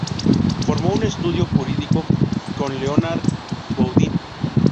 Formó un estudio jurídico con Leonard Boudin.